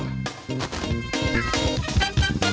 ยินดี